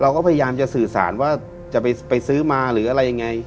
พยายามจะสื่อสารว่าจะไปซื้อมาหรืออะไรยังไง